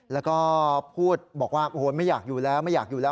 แล้วก็พูดบอกว่าโอ้โหไม่อยากอยู่แล้วไม่อยากอยู่แล้ว